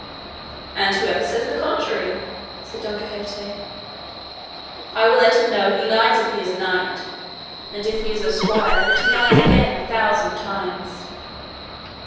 "And whoever says the contrary," said Don Quixote, "I will let him know he lies if he is a knight, and if he is a squire that he lies again a thousand times."